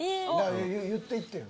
言って行ってよ。